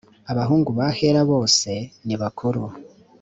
abahungu ba hela bose nibakuru.